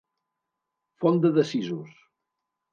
Fonda de sisos.